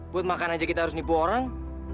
buat makan aja kita harus nipu orang